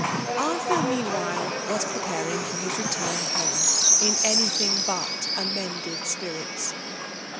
Arthur, meanwhile, was preparing for his return honie, in anything but amended spirits.